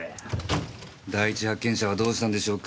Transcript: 第一発見者はどうしたんでしょうか？